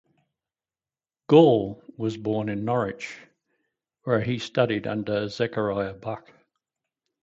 Gaul was born in Norwich, where he studied under Zechariah Buck.